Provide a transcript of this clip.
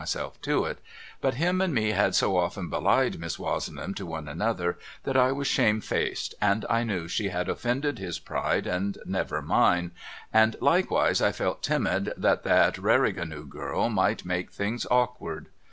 myself to it, but him and me had so often belied Miss Wozenham to one another that I was shamefaced, and I knew she had offended his pride and never mine, and likewise I felt timid that that Rairy ganoo girl might make things awkward.